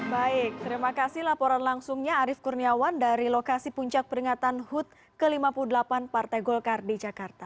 baik terima kasih laporan langsungnya arief kurniawan dari lokasi puncak peringatan hud ke lima puluh delapan partai golkar di jakarta